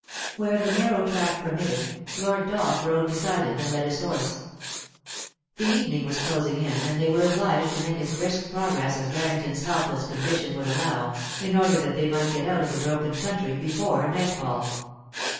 Where the narrow track permitted, Lord Dolph rode beside him, and led his horse. The evening was closing in, and they were obliged to make as brisk progress as Barrington's helpless condition would allow, in order that they might get out of the broken country before nightfall.